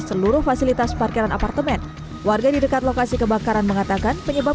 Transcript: seluruh fasilitas parkiran apartemen warga di dekat lokasi kebakaran mengatakan penyebab